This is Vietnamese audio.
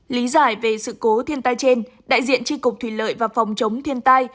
lý giải về sự cố thiên tai trên đại diện tri cục thủy lợi và phòng chống thiên tai